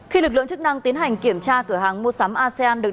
khi lực lượng chức năng tiến hành kiểm tra cửa hàng mua sắm asean